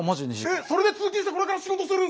えっそれで通勤してこれから仕事するんすか